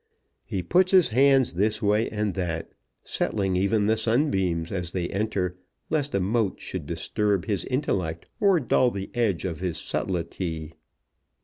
He puts his hands this way and that, settling even the sunbeams as they enter, lest a moat should disturb his intellect or dull the edge of his subtlety.